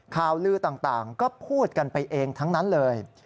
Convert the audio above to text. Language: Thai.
ข่าวลือต่างก็พูดกันไปเองทั้งนั้นเลย